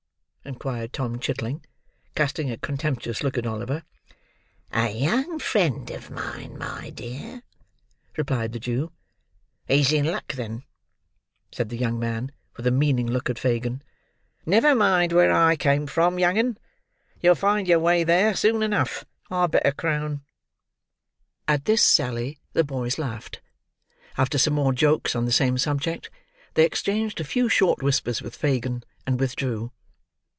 inquired Tom Chitling, casting a contemptuous look at Oliver. "A young friend of mine, my dear," replied the Jew. "He's in luck, then," said the young man, with a meaning look at Fagin. "Never mind where I came from, young 'un; you'll find your way there, soon enough, I'll bet a crown!" At this sally, the boys laughed. After some more jokes on the same subject, they exchanged a few short whispers with Fagin; and withdrew.